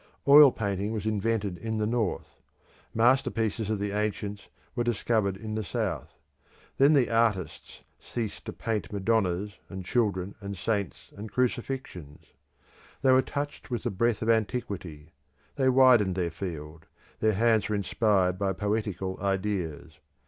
Oil painting was invented in the North. Masterpieces of the ancients were discovered in the South. Then the artists ceased to paint Madonnas, and children, and saints, and crucifixions. They were touched with the breath of antiquity; they widened their field; their hands were inspired by poetical ideas.